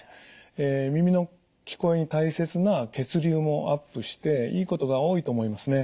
耳の聞こえに大切な血流もアップしていいことが多いと思いますね。